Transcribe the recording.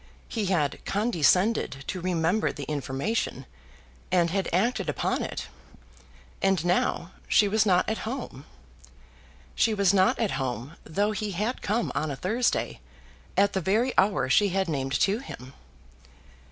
He had condescended to remember the information, and had acted upon it, and now she was not at home! She was not at home, though he had come on a Thursday at the very hour she had named to him.